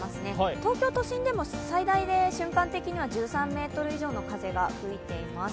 東京都心でも最大で瞬間的には１３メートル以上の風が吹いています。